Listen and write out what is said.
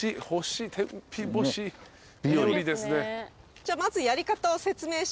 じゃあまずやり方を説明します。